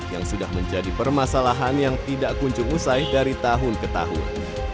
yang sudah menjadi permasalahan yang tidak kunjung usai dari tahun ke tahun